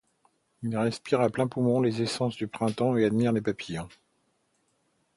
Il respire à pleins poumons les essences du printemps et admire les papillons.